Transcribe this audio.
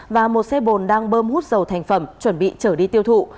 và một xe bồn đang bơm hút dầu thành phẩm chuẩn bị trở đi tiêu thụ